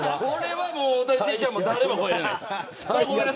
大谷選手は誰も超えられないです。